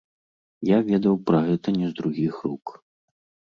Я ведаў пра гэта не з другіх рук.